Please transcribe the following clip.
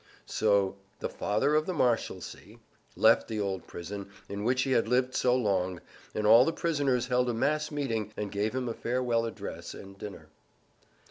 So "The Father of the Marshalsea" left the old prison, in which he had lived so long, and all the prisoners held a mass meeting and gave him a farewell address and a dinner.